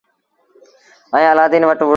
ائيٚݩ الآدين وٽ وُهڙو۔